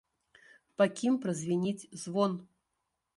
Па кім празвініць звон?